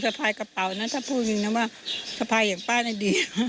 เธอบอกว่าทำไมไม่จะพายอย่างนี้